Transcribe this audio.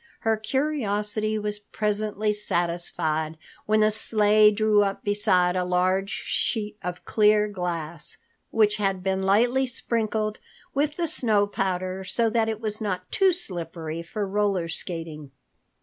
Her curiosity was presently satisfied when the sleigh drew up beside a large sheet of clear glass, which had been lightly sprinkled with the snow powder, so that it was not too slippery for roller skating.